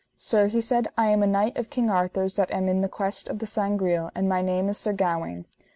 Sir, he said, I am a knight of King Arthur's that am in the quest of the Sangreal, and my name is Sir Gawaine.